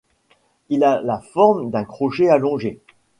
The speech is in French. Il a la forme d’un crochet allongé.